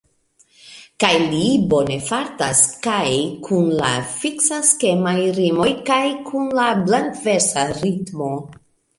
Kaj li bone fartas kaj kun la fiksaskemaj rimoj kaj kun la blankversa ritmo.